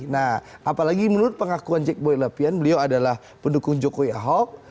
nah apalagi menurut pengakuan jack boy lapian beliau adalah pendukung jokowi ahok